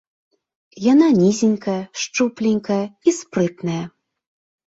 Яна нізенькая, шчупленькая і спрытная.